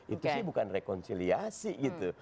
itu sih bukan rekonsiliasi gitu